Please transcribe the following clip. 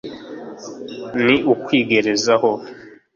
ni ukwigerezaho!